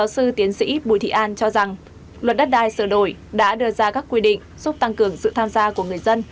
sư tiến sĩ bùi thị an cho rằng luật đất đai sửa đổi đã đưa ra các quy định giúp tăng cường sự tham gia của người dân